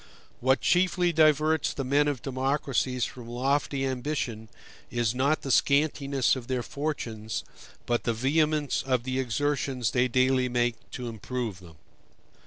What chiefly diverts the men of democracies from lofty ambition is not the scantiness of their fortunes, but the vehemence of the exertions they daily make to improve them.